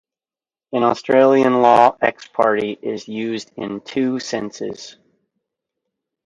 In Australian law ex parte is used in two senses.